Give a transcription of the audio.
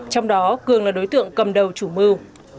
trong đó cường là đối tượng cầm đầu chủ mưu